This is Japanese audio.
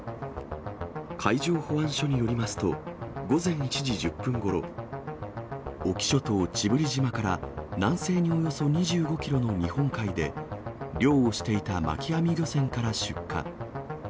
海上保安署によりますと、午前１時１０分ごろ、隠岐諸島知夫里島から南西におよそ２５キロの日本海で漁をしていた巻き網漁船から出火。